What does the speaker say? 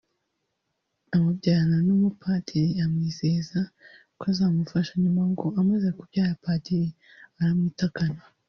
amubyarana n’umupadiri amwizeza ko azamufasha nyuma ngo amaze kubyara padiri aramwitakana